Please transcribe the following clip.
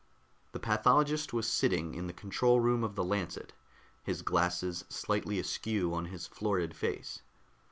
The pathologist was sitting in the control room of the Lancet, his glasses slightly askew on his florid face.